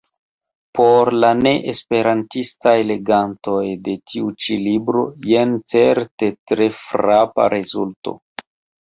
Por la ne-esperantistaj legantoj de tiu ĉi libro jen certe tre frapa rezulto.